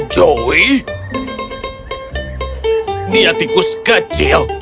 joey dia tikus kecil